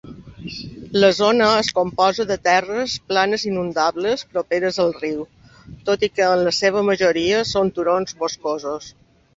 La zona es composa de terres planes inundables properes al riu, tot i que en la seva majoria són turons boscosos.